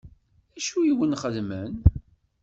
D acu i wen-xedmen?